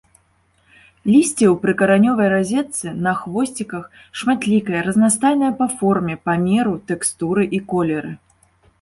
Лісце ў прыкаранёвай разетцы, на хвосціках, шматлікае, разнастайнае па форме, памеру, тэкстуры і колеры.